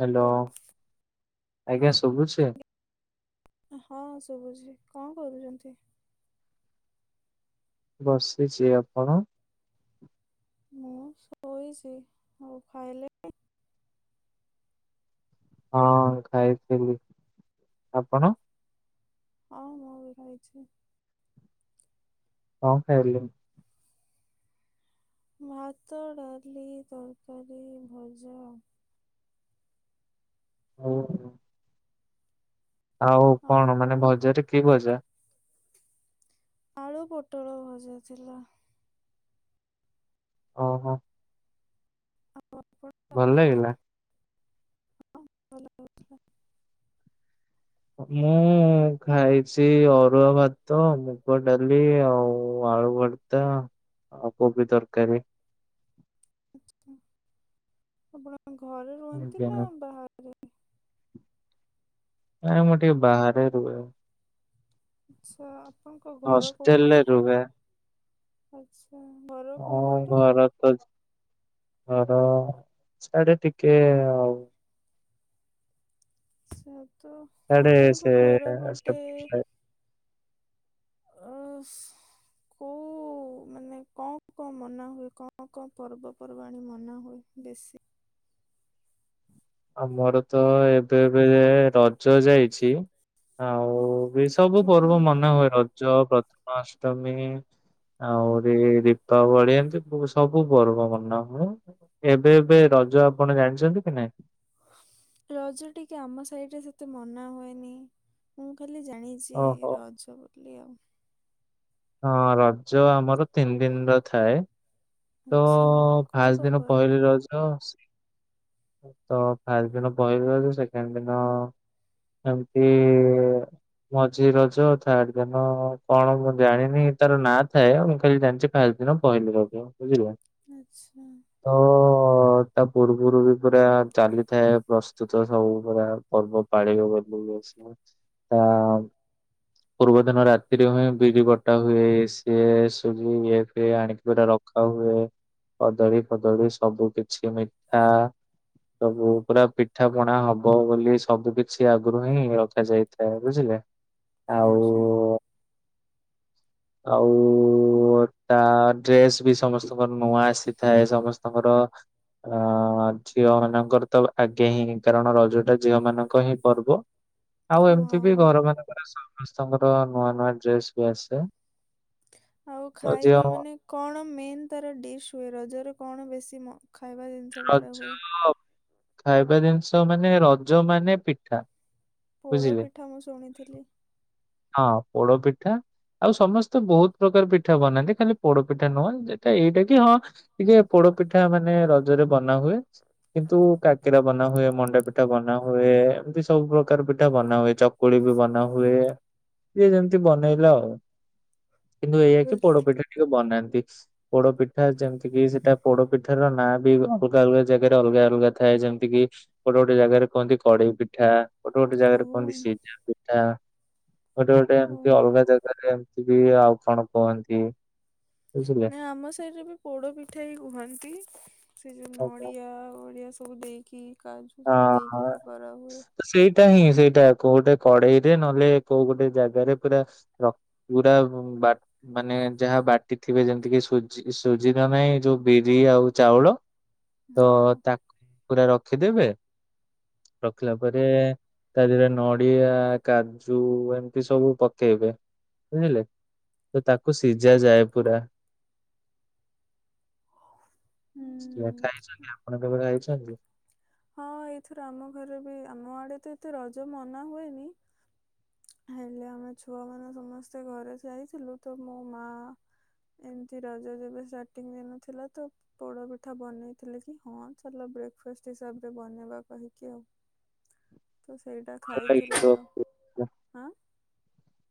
Hello ଆଜ୍ଞା ଶୁଭୁଛି? ହଁ ଶୁଭୁଛି କଣ କରୁଛନ୍ତି? ବସିଛି ଆପଣ? ମୁଁ ଶୋଇଛି ହଉ ଖାଇଲେ? ହଁ ଖାଇଥିଲି ଆପଣ? ହଁ ହଁ ବି ଖାଇଛି। କଣ ଖାଇଲେ? ଭାତ, ଡାଳି, ତରକାରୀ, ଭଜା ଆଉ। [unintelligible] ଆଉ କଣ ମାନେ ଭଜାରେ କି ଭଜା? ଆଳୁ ପୋଟଳ ଭଜା ଥିଲା। ଓହୋ। ଭଲ ଲାଗିଲା [inaudible] ମୁଁ ଖାଇଛି ଅରୁଆ ଭାତ, ମୁଗ ଡାଳି ଆଉ ଆଳୁ ଭର୍ ତ ଆଉ କୋବି ତରକାରୀ। ଆଚ୍ଛା ଆପଣ ଘରେ ରୁହନ୍ତି ନା ଆଜ୍ଞା ବାହା ନାଇଁ ମୁଁ ଟିକେ ବାହାରେ ରୁହେ। ଆଚ୍ଛା ଆପଣଙ୍କ ଘର କୋଉଠି? ହଷ୍ଟେଲରେ ରୁହେ ଆଚ୍ଛା ଘର କୋଉ ଆଉ ପଟେ? ଘର ତ ଯା ଘର ସ୍ୟାଡ଼େ ଟିକେ ଆଉ ଆଚ୍ଛା ତ ସାଡେ ଆପଣଙ୍କ ଘର ପଟେ ସେ ଅସ୍ କୋଉ ଉ ମାନେ କଣ କଣ ମନା ହୁଏ କଣ କଣ ପର୍ବପର୍ବାଣୀ ମନା ହୁଏ ବେଶୀ। ଆମର ତ ଏବେ ଏବେ ଯାଏ ରଜ ଯାଇଛି ଆଉ ଏଇ ସବୁ ହଁ, ପର୍ବ ମନା ହୁଏ ରଜ, ପ୍ରଥମାଷ୍ଟମୀ ଆହୁରି ଦୀପାବଳି ଏମତି ସବୁ ପର୍ବ ମନା ହୁଏ। ଏବେ ଏବେ ରଜ ଆପଣ ଜାଣିଚନ୍ତି କି ନାଇଁ? ରଜ ଟିକେ ଆମ ସାଇଡରେ ସେତେ ମନା ହୁଏନି ମୁଁ ଖାଲି ଜାଣି ଚି ଓହୋ ରଜ ବୋଲି ଆଉ। ହଁ ରଜ ଆମର ତିନି ଦିନର ଥାଏ। ତ ଆଚ୍ଛା କଣ ଫାଷ୍ଟ କଣ ଦିନ କର? ପହିଲି ରଜ, ସେ ତ ଫାଷ୍ଟ ଦିନ ପହିଲି ରଜ ସେକେଣ୍ଡ ଦିନ ଏମତି ମଝି ରଜ ଥାଡ ଦିନ କଣ ମୁଁ ଜାଣିନି ତାର ନାଁ ଥାଏ ଆଉ ମୁଁ ଖାଲି ଜାଣଚି ଫାଷ୍ଟ ଦିନ ପହିଲି ରଜ ବୁଝିଲ। ଆଛା। ହୋଉ ହୋ ହଁ ତା ପୂର୍ବୁରୁ ବି ପୁରା ଚାଲିଥାଏ ପ୍ରସ୍ତୁତ ସବୁ ପୁରା ପର୍ବ ପାଣିିବୁହା ପୂର୍ବ [unintelligible] ତା ପୂର୍ବ ଦିନ ରାତିରେ ହୁଏ ବିରି ବଟା ହୁଏ ସିଏ ସୁଜି ଇଏ ଫିଏ ଆଣିକି ପୁରା ର କା ହୁଏ କଦଳୀ ଫଦଳୀ ସବୁ କିଛି ମିଠା ସବୁ ପୁରା ପିଠା ପଣା ହବ ବୋଲି ସବୁ କିଛି ଆଗୁରୁ ହିଁ ରଖାଯାଇଥାଏ ବୁଝିଲେ। ଆଉ ଆଚ୍ଛା। ଆଉ ଓ ଟା ଡ୍ରେସ ବି ସମସ୍ତଙ୍କର ନୂଆ ଆସିଥାଏ ସମସ୍ତଙ୍କର ଅ ଝିଅମାନଙ୍କର ତ ଆଗେ ହିଁ କାରଣ ରଜଟା ଝିଅମାନଙ୍କ ହିଁ ପର୍ବ। [inaudible] ଆଉ ଏମତି ବି ହଁ। ଘର ମାନଙ୍କର ସମସ୍ତଙ୍କର ନୂଆ ନୂଆ ଡ୍ରେସ ବି ଆସେ। ଆଉ ଖାଇବା ମାନେ କଣ ମେନ୍ ତାର ଡିସ୍ ହୁଏ ରଜରେ କଣ ବେଶୀ ମ ଖାଇବା ଜିନ ରଜ ଖାଇବା ଜିନିଷ ମାନେ ରଜ ମାନେ ପିଠା। ପୋଡ ବୁଝିଲେ। ପିଠା ମୁଁ ଶୁଣିଥିଲି। ହଁ ପୋଡ଼ପିଠା ଆଉ ସମସ୍ତେ ବୋହୁତ ପ୍ରକାର ପିଠା ବନାନ୍ତି ଖାଲି ପୋଡ ପିଠା ନୁହଁ ଯେ ଏଟା ଏଇଟା କି ହଁ ଟିକେ ପୋଡ ପିଠା ମାନେ ରଜରେ ବନା ହୁଏ କିନ୍ତୁ କାକେରା ବନା ହୁଏ ମଣ୍ଡା ପି ପିଠା ବନା ହୁଏ ଏମିତି ସବୁ ପ୍ରକାର ପିଠା ବନା ହୁଏ ଚକୁଳି ବି ବନା ହୁଏ। ଯିଏ ଯେମତି ବନେଇଲା ଆଉ କିନ୍ତୁ ଏଇଆ କି ପୋଡପିଠା ଟିକେ ବନାନ୍ତି। ପୋଡ ପିଠା ଯେମତି କିି ସେଟା ପୋଡ ପିଠାର ନାଁ ବି ଅଲଗା ଅଲଗା ଜାଗାରେ ଅଲଗା ଅଲଗା ଥାଏ ଯେମତିକିି ଗୋଟେ ଗୋଟେ ଜାଗାରେ କହନ୍ତି କଡେଇ ପିଠା ଗୋଟେ ଗୋଟେ ଓ ଜାଗାରେ କୁହନ୍ତି ସିଜା ପିଠା। ଗୋଟେ ଗୋଟେ ଓ ଏମିତି ଅଲଗା ଜାଗାରେ ଏମିତି ବି ଆଉ କଣ କୁହନ୍ତି। ବୁଝିଲେ। ନା ଆମ ସାହିରେ ବି ପୋଡ ପିଠା ହି କୁହନ୍ତି। ସେ ଯୋଉ ହଁ। ନଡ଼ିଆ ଓଡିଆ ସବୁ ଦେଇକି କାଜୁ ସବୁ ଦେଇକି ଯୋଉ କରାହୁଏ। ସେଇଟା ହିଁ ସେଇଟା କୋଉଟା କଡେଇରେ ନହେଲେ କୋଉ ଗୋଟେ ଜାଗାରେ ପୁରା ରଖି ପୁରା ବା ମାନେ ଯାହା ବାଣ୍ଟି ଥିବେ ଯେମିତି କି ସୂଜି ସୁଜି ନା ନାଇଁ ଯୋଉ ବିରି ଆଉ ଚାଉଳ ତ ହଁ। ତାକୁ ପୁରା ରଖିଦେବେ [inaudible] ରଖିଲା ପରେ ତା ଦେହରେ ନଡିଆ କାଜୁ ଏମିତି ସବୁ ପକେଇବେ ବୁଝିଲେ? ତ ତାକୁ ସିଝା ଯାଏ ପୁର। ହୁଁ ଖାଇଛନ୍ତି ଆପଣ କେବେ ଖାଇଛନ୍ତି? ହଁ ଏଇଥିରୁ ଆମ ଘରେ ବି ଆମ ଆଡେ ତ ଏତେ ରଜ ମନା ହୁଏନି। ହେଲେ ଆମେ ଛୁଆମାନେ ସମସ୍ତେ ଘରେ ଯାଇଥିଲୁ ତ ମୋ ମା ଏମିତି ରଜ ଯେବେ ଷ୍ଟାର୍ଟିଂ ଦିନ ଥିଲା ତ ପୋଡାପିଠା ବନେଇଥିଲେ କି ହଁ ଚାଲ ବ୍ରେକ୍ଫାଷ୍ଟ ହିସାବରେ ବନେଇବା କହିକି ଆଉ। ତ ସେଇଟା ଖାଇଥିଲି ଆଉ। ହ ଆଁ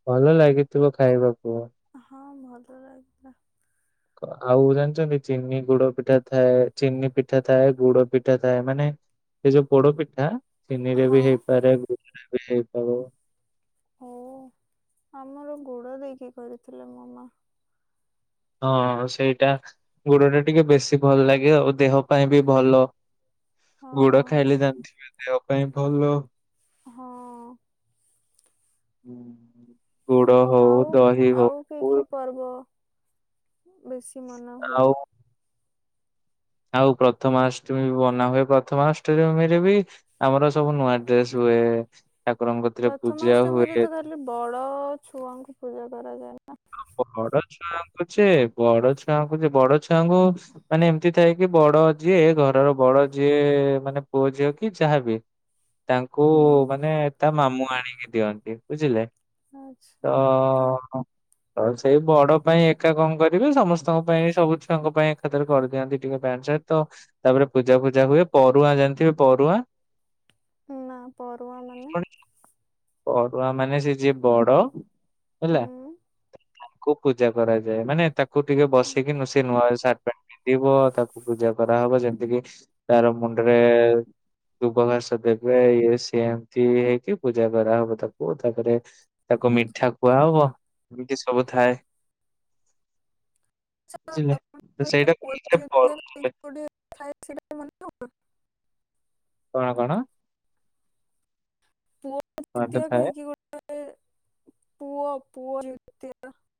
ଭଲ ଲାଗିଥିବ ଖାଇବାକୁ? ହଁ ଭଲ ଲାଗିଲା। ଆଉ ଜାଣିଛନ୍ତି ଚିନି ଗୁଡ ପିଠା ଥାଏ ଚିନି ପିଠା ଥାଏ ଗୁଡ ପିଠା ଥାଏ। ମାନେ ଏ ଯୋଉ ପୋଡ ପିଠା ଚିନି ରେ ହଁ ବି ହେଇପାରେ ଗୁରେ ବି ହେଇପାରେ। ହଉ ଆମର ଗୁଡ ଦେଇକି କରିଥିଲେ ମୋ ମା। ହଁ ସେଇଟା ଗୋଡ ଟା ଟିକେ ବେଶୀ ଭଲ ଲାଗେ ଆଉ ଦେହ ପାଇଁ ବି ଭଲ। ଗୁଡ ହଁ ଖାଇଲେ ଜାଣିଥିବେ ଦେହ ପାଇଁ ଭଲ। ହଁ ଗୋଡ଼ା ହଉ ଦହି ହଉ ହେଇକି ପର୍ବ ବେଶୀ ମନା ହୁଏ। ଆଉ ଆଉ ପ୍ରଥମାଷ୍ଟମୀ ବନା ହୁଏ ପ୍ରଥମାଷ୍ଟମୀରେ ବି ଆମର ସବୁ ନୂଆ ଡ୍ରେସ ହୁଏ ଠାକୁରଙ୍କ ରେ ପୂଜା ପ୍ରଥମାଷ୍ଟମୀରେ ତ ହୁଏ। ବଡ ଛୁଆଙ୍କୁ ପୂଜା କରାଯାଏ ନା? ବଡ ଛୁଆଙ୍କୁଛ ବଡ ଛୁଆଙ୍କୁଛେ ବଡ ଛୁଆଙ୍କୁ ମାନେ ଏମିତି ଥାଏ କି ବଡ ଯିଏ ଘରର ବଡ ଯିଏ ମାନେ ପୁଅ ଝିଅ କି ଯାହାବି, ତାଙ୍କୁ ହୁଁ। ମାନେ ତା ମାମୁଁ ଆଣିକି ଦିଅନ୍ତି ବୁଝିଲେ? ତ ଆଚ୍ଛା ଆଉ ସେଇ ବଡ ପାଇଁ ଏକା କଣ କରିବେ ସମସ୍ତଙ୍କ ପାଇଁ ସବୁ ଛୁଆଙ୍କ ପାଇଁ ଏକାଥରେ କରିଦିଅନ୍ତି। ଟିକେ ବ୍ୟାଣ୍ଟ ସାତ ତାପରେ ପୂଜା ଫୂଜା ହୁଏ ପରରୁଆ ଜାଣିଥିବେ ପରରୁଆ। ନା ପରରୁଆ ମାନେ? ପରୁୁଆ ମାନେ ସେ ଯିଏ ବଡ ହେଲା ହୁଁ ତାଙ୍କୁ ପୂଜା କରାଯାଏ ମାନେ ତାକୁ ୁ ଟିକେ ବସେଇିକି ସେ ନୂଆ ହୁଁ। ସାର୍ଟ ପ୍ୟାଣ୍ଟ ପିନ୍ଧିବ ତାକୁ ପୂଜା କରାହବ ଯେମିତି କିି ତାର ମୁଣ୍ଡରେ ଦୁବ ଘାସ ଦେବେ ଇଏ ସେମତି ହେଇକି ପୂଜା କରା ହବ ତାକୁ ତାପରେ ତାକୁ ମିଠା କୁଆ ହବ ଏମିତି ସବୁ ଥାଏ। ବୁଝିଲେ ତ ସେଇଟା କହିଲେ [unintelligible] ପଢୁଥିଲେ [unintelligible] ଅଛି? କଣ କଣ? ପୁଅ କଣଟେ ଦିତୀୟ ଥାଏ କହିକି ଗୋଟେ ପୁଅ ପୁଅ ନି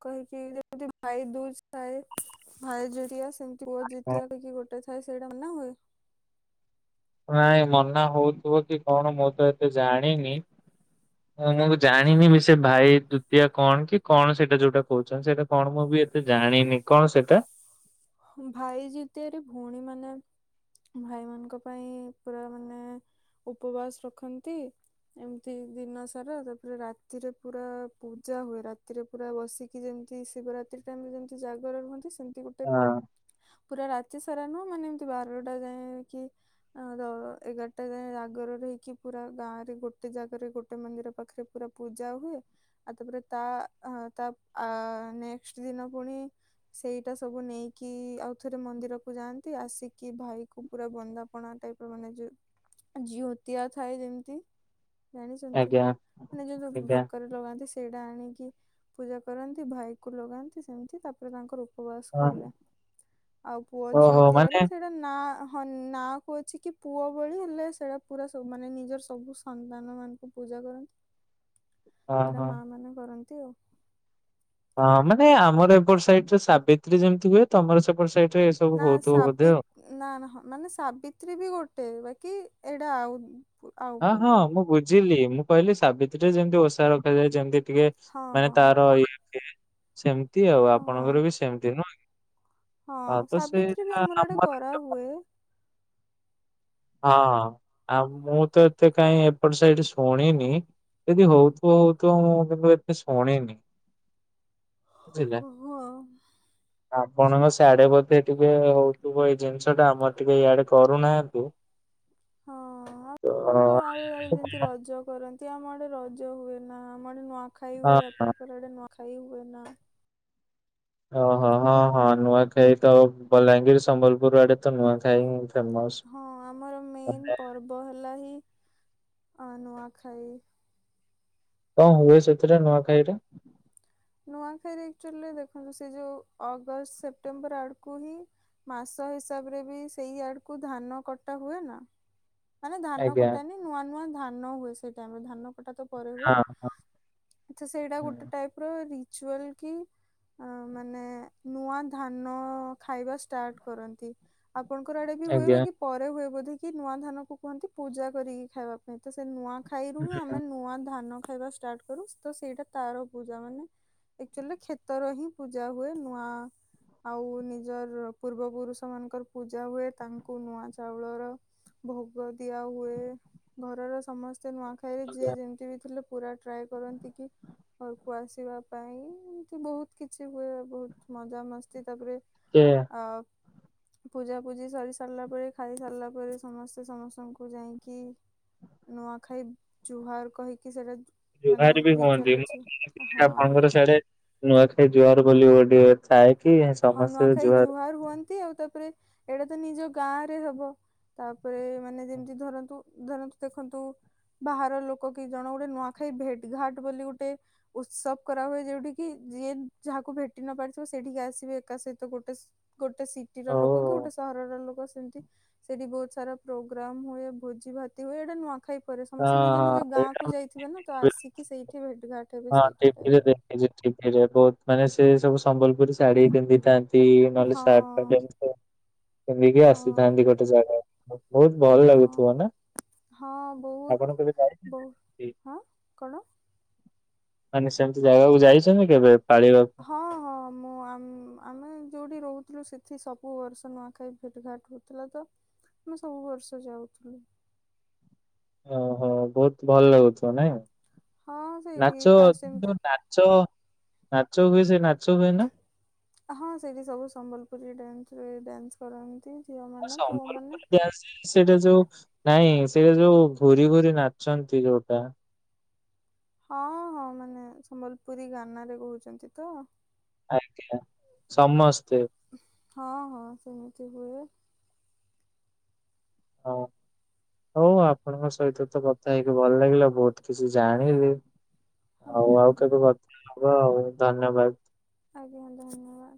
କହକି ଭାଇଦୁଜ ଥାଏ। ଭାଇ ଜରିଆ ସେମିତି ବ ଜିତିଆକି ଗୋଟେ ଥାଏ ସେଇଟା ମନା ହୁଏ। ନାଇଁ ମନା ହଉଥିବ କି କଣ ମୁଁ ତ ଏତେ ଜାଣିନି? ମୁଁ ମୁଁ ଜାଣିନି ବି ସେ ଭାଇ ଦୁତିଆ କଣ କି କଣ ସେଇଟା ଯୋଉଟା କହୁଛନ୍ତି ସେଇଟା କଣ ମୁଁ ବି ଏତେ ଜାଣିନି? କଣ ସେଇଟା? ଭାଇ ଯୁତିଆରେ ଭଉଣୀ ମାନେ ଭାଇମାନଙ୍କ ପାଇଁ ପୁରା ମାନେ ଉପବାସ ରଖନ୍ତି। ଏମିତି ଦିନ ସାରା ତାପରେ ରାତିରେ ପୁରା ପୂଜା ହୁଏ ରାତିରେ ପୁରା ବସିକି ଯେମିତି ଶିବରାତ୍ରି ଟାଇମରେ ଯେମିତି ଜାଗର ରୁହନ୍ତି ସେମିତି ଗୋଟେ ହଁ ପୁରା ରାତି ସାରା ନୁହଁ ମାନେ ଏମିତି ବାରଟା ଯାଏଙ୍କି ଆଉ ଏଗାରଟା ଆଗର ରହିକି ପୁରା ଗାଁ ରେ ଗୋଟେ ଜାଗାରେ ଗୋଟେ ମନ୍ଦିର ପାଖରେ ପୁରା ପୂଜା ହୁଏ। ଆଉ ତାପରେ ତା ତା ନେକ୍ସଟ ଦିନ ପୁଣି ସେଇଟା ସବୁ ନେଇ କି ଆଉଥରେ ମନ୍ଦିରକୁୁ ଯାଆନ୍ତି ଆସିକି ଭାଇ କ ପୁରା ବନ୍ଦାପଣା ଟାଇପର ମାନେ ଯୋଉ ଯିଅତିଆ ଥାଏ ଯେମିତି ଜାଣିଛନ୍ତି ଆଜ୍ଞା ଯୋଉ ସୁ ଆଜ୍ଞା ବେକରେ ଲଗାନ୍ତି ସେଇଟା ଆଣିକି ପୂଜା କରନ୍ତି ଭାଇ କୁ ଲଗାନ୍ତି ସେମିତି ତାପରେ ତାଙ୍କର ଉପବାସ ହଁ ଖୋଲେ ଆଉ ପୁଅ ଓହୋ ଯିଉତିଆରେ ମାନେ ସେ ସେଟା ନା ହଁ ନା କ ଅଛି କି ପୁଅ ଭଳି ହେଲେ ସେଟା ପୁରା ସବୁ ମାନେ ନିଜର ସବୁ ସନ୍ତାନ ମାନ ପୂଜା କରନ୍ତି ହଁ ହୋ ହଁ। ମା ମାନେ କରନ୍ତି ଆଉ ହଁ ମାନେ ଆମର ଏପଟ ସାଇଡରେ ସାବିତ୍ରୀ ଯେମିତି ହୁଏ ତମର ସେପଟ ସାଇଡରେ ସବୁ ନା ହଉଥିବ ବୋଧେ ସାବ୍ରୀ ଆଉ। ନା ମାନେ ସାବିତ୍ରୀ ବି ଗୋଟେ ବାକି ଏଇଟା ଆଉ ଆଉ ହଁ ହଁ ପୂଜା ମୁଁ ବୁଝିଲି ମୁଁ କହିଲି ସାବିତ୍ରୀରେ ଯେମିତି ଓଷା ରଖାଯାଏ ଯେମିତି ଟିକେ ହଁ ମାନେ ହଁ ତାର ଇଏ ସେମିତି ଆଉ ହଁ ଆପଣଙ୍କର ବି ସେମତି ନୁହଁ କି? ହଁ ସାବିତ୍ରୀ ବି ଆମର ଇଆଡ଼େ କରା ହୁଏ। ହଁ ଆଉ ମୁଁ ତ ଏତେ କାହିଁ ଏପଟ ସାଇଟରେ ଶୁଣିନି? ଯଦି ହଉଥିବ ହଉଥିବ ମୁଁ କିନ୍ତୁ ଏତେ ଶୁଣିନି? ବୁଝିଲେ। ଓହୋ। ଆପଣଙ୍କ ସିଆଡେ ବୋଧେ ଟିକେ ହଉଥିବ ଏଇ ଜିନିଷଟା ଆମର ଟିକେ ଇଆଡେ କରୁନାହାଁନ୍ତି। ହଁ ଆଉ ଆପଣଙ୍କ ଆଉ ଯେମିତି ରଜ କରନ୍ତି। ଏତ ଆମଆଡେ ରଜ ହୁଏ ନା ଆମ ଆଡେ ନୂଆଖାଇ ହଁ ହୁଏ ଆପଣଙ୍କର ଆଡେ ନୂଆଖାଇ ହୁଏ ନା। ଓହୋ ହଁ ହଁ ନୂଆଖାଇ ତ ବଲାଙ୍ଗୀର ସମ୍ବଲପୁର ଆଡେ ତ ନୂଆଖାଇ। ଫେମସ୍। ହଁ ଆମର ମେନ୍ ମାନେ ପର୍ବ ହେଲା ହିଁ ଅ ନୂଆଖାଇ। କଣ ହୁଏ ସେଥିରେ ନୂଆଖାଇରେ? ନୂଆଖାଇରେ ଆକଚୁଆଲି ଦେଖନ୍ତୁ ସେ ଯେଉଁ ଅଗଷ୍ଟ ସେପ୍ଟେମ୍ବର ଆଡ଼କୁ ହିଁ। ମାସ ହିସାବରେ ବି ସେଇ ଆଡ଼କୁ ଧାନ କଟା ହୁଏ ନା। ମାନେ ଧାନ ଆଜ୍ଞା କଟାନି ନୂଆ ନୂଆ ଧାନ ହୁଏ ସେଇ ଟାଇମରେ ଧାନ ଟା ତ ପରେ ହୁଏ ହଁ ହଁ ତ ସେଇଟା ଗୋଟେ ହୁଁ ଟାଇପର ରିଚୁଆଲ କି? ମାନେ ନୂଆ ଧାନ ଖାଇବା ଷ୍ଟାର୍ଟ କରନ୍ତି। ଆପଣଙ୍କର ଆଡେ ବି ହୁଏ ଆଜ୍ଞା ବାକି ପରେ ହୁଏ ବୋଧେ କି ନୂଆ ଧାନ କୁହନ୍ତି ପୂଜା କରିକି ଖାଇବାକୁ। ନାଇଁ ତ ସେ ନୂଆ ଖାଇରୁ ହିଁ ହୁଁ ଆମେ ନୂଆ ଧାନ ଖାଇବା ଷ୍ଟାର୍ଟ କରୁ ତ ସେଇଟା ତାର ପୂଜା ମାନେ ଅକ୍ଚୁଆଲି କ୍ଷେତର ହିଁ ପୂଜା ହୁଏ ନୂଆ ଆଉ ନିଜର ପୂର୍ବ ପୁରୁଷ ମାନଙ୍କର ପୂଜା ହୁଏ ତାଙ୍କୁ ନୂଆ ଚାଉଳର ଭୋଗ ଦିଆ ହୁଏ ଘରର ସମସ୍ତେ ନୂଆଖା ଖାଇରେ ଯିଏ ଆଜ୍ଞା। ଯେମିତି ବି ଥିଲେ ପୁରା ଟ୍ରାଏ କରନ୍ତି କି? ଘରକୁ ଆସିବା ପାଇଁ ଏମତି ବହୁତ କିଛି ହୁଏ ବହୁତ ମଜ ମସ୍ତି ତାପରେ କିଏ? ଅ। ପୂଜାପୂଜି ସରି ସାରିଲା ପରେ ଖାଇ ସାରିଲା ପରେ ସମସ୍ତେ ସମସ୍ତଙ୍କୁ ଯାଇକି ନୂଆଖାଇ ଜୁହାର କହିକି ସେରା ଜୁହାର ବି ହୁଅନ୍ତି ମୁଁ ଶୁଣିଥିଲି ଆପଣଙ୍କର ସିଆଡ଼େ ନୂଆଖାଇ ଜୁହାର ବୋଲିି ଗୋଟିଏ ଥାଏ କି ସମସ୍ତେ ଜୁହାର ତି ଆଉ ତାପରେ ଏଡ଼ା ତ ନିଜ ଗାଁରେ ହବ। ତାପରେ ମାନେ ଯେମତି ଧରନ୍ତୁ ଧରନ୍ତୁ ଦେଖନ୍ତୁ ବାହାର ଲୋକ କି ଜଣ ଗୋଟେ ନୂଆଖାଇ ଭେଟ୍ ଘାଟ୍ ବୋଲି ଗୋଟେ ଉତ୍ସବ କରାହୁଏ ଯୋଉଠିକି ଯିଏ ଯାହାକୁ ଭେଟି ନ ପାରିଥିବ ସେଇଠିକି ଆସ୍ ଥିବେ ଏକା ସହିତ ଗୋଟେ ସ୍ ଗୋଟେ ଓ ସିଟିର ଲୋକ କି ହଁ ଗୋଟେ ସହରର ଲୋକ ସେମତି ସେଇଠି ବହୁତ ସାରା ପ୍ରୋଗ୍ରାମ୍ ହୁଏ ଭୋଜି ଭାତି ହୁଏ ଏଇଟା ନୂଆଖାଇ ପରେ ସମସ୍ତେ ନିଜ ନିଜ ହଁ ଗାଁ ଏଇଟା କୁ ମୁଁ ଯାଇଥିବେ ନାଁ ତ ଆସିକି ସେଇଠି ଭେଟ୍ ଘା ହଁ ଟି ଭି ରେ ଦେଖିଚି ଟି ଭି ରେ ବହୁତ ମାନେ ସେ ସବୁ ସମ୍ବଲପୁରୀ ଶାଢ଼ୀ ପିନ୍ଧିଥା ନ୍ତି ନହେଲେ ହଁ ସାଟ୍ ଟେ ପିନ୍ଧିଥିବେ ପିନ୍ଧିକି ହଁ ଆସିଥାନ୍ତି ଗୋଟେ ଜାଗା। ଅ ବହୁତ ଭଲ ହଁ। ଲାଗୁଥିବ ନାଁ ହଁ ବହୁତ ଆପଣ କେବେ ଯାଇଥିଲେ? ବହୁ ହଁ କଣ? ମାନେ ସେମତି ଜାଗାକୁ ଯାଇଚନ୍ତି କେବେ ପାଳିବା ହଁ ମୁଁ ଉଁ ଆଁ ଆମେ ଯୋଉଠି ରହୁଥୁଲୁ ସେଠି ସବୁ ବର୍ଷ ନୂଆଖାଇ ଭେଟ୍ ଘାଟ୍ ହଉଥୁଲା ତ ମୁଁ ସବୁ ବର୍ଷ ଯାଉଥୁଲୁ। ଓହୋ ବହୁତ ଭଲ ଲାଗୁଥିବ ନାଇଁ ହଁ ସେଇଠି ନାଚ ଫାଷ୍ଟ ଯୋଉ ଏମିତି ନା ଚ ନାଚ ହୁଏ ସେଇ ନାଚ ହୁଏ ନା? ହଁ ସେଇଠି ସବୁ ସମ୍ବଲପୁରୀ ଡ୍ୟାନ୍ସ୍ ରେ ଡ୍ୟାନ୍ସ୍ କର ନ୍ତି ଝିଅ ମୁଁ ସମ୍ବଲପୁରୀ ଡ୍ୟାନ୍ସ୍ ସେଇଟା ଯୋଉ ନାଇଁ ସେଇଟା ଯୋଉ ଘୁରି ଘୁରି ନାଚନ୍ତି ଯୋଉଟା। ହଁ ହଁ ମାନେ ସମ୍ବଲପୁରୀ ଗାନାରେ କହୁଚନ୍ତି ତ? ଆଜ୍ଞା ସମସ୍ତେ। ହଁ ହଁ ସେମିତି ହୁଏ। ହଁ। [inaudible] ହଉ ଆପଣଙ୍କ ସହିତ ତ କଥା ହେଇକି ଭଲ ଲାଗିଲା ବହୁତ କିଛି ଜାଣିଲି। ହଉ ଆଉ କେବେ କଥା ହବା ଆଉ ଧନ୍ୟବାଦ। ଆଜ୍ଞା ଧନ୍ୟବାଦ।